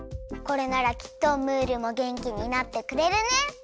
これならきっとムールもげんきになってくれるね！